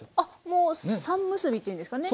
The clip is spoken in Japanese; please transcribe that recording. もう三むすびというんですかね。